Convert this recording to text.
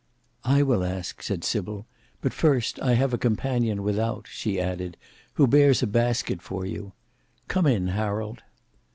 "I will ask," said Sybil. "But first, I have a companion without," she added, "who bears a basket for you. Come in, Harold."